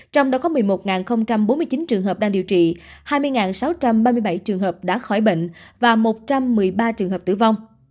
trong đó có một mươi một bốn mươi chín trường hợp đang điều trị hai mươi sáu trăm ba mươi bảy trường hợp đã khỏi bệnh và một trăm một mươi ba trường hợp tử vong